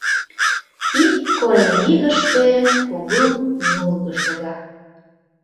Ик коремигыште кугу нулго шога.